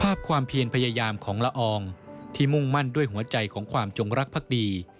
ภาพความเพียรพยายามของละอองที่มุ่งมั่นด้วยหัวใจของความจงรักภักดี